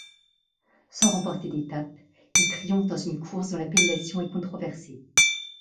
Sans remporter d'étapes il triomphe dans une course dont l'appellation est controversée.